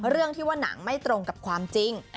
เรื่องที่ว่าหนังไม่ตรงกับความจริง